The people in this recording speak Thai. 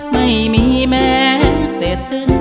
ไม่มีแม้เสจสึน